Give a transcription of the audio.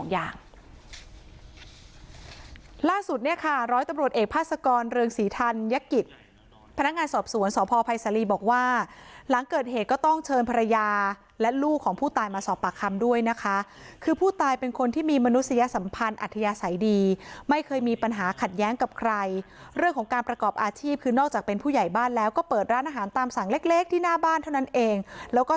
อย่างล่าสุดเนี่ยค่ะร้อยตำรวจเอกพาสกรเรืองศรีธัญกิจพนักงานสอบสวนสพภัยศาลีบอกว่าหลังเกิดเหตุก็ต้องเชิญภรรยาและลูกของผู้ตายมาสอบปากคำด้วยนะคะคือผู้ตายเป็นคนที่มีมนุษยสัมพันธ์อัธยาศัยดีไม่เคยมีปัญหาขัดแย้งกับใครเรื่องของการประกอบอาชีพคือนอกจากเป็นผู้ใหญ่บ้านแล้วก็เปิดร้านอาหารตามสั่งเล็กเล็กที่หน้าบ้านเท่านั้นเองแล้วก็